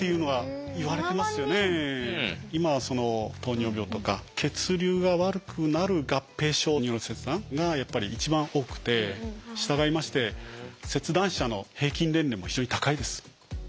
今はその糖尿病とか血流が悪くなる合併症による切断が一番多くて従いまして切断者の平均年齢も非常に高いです。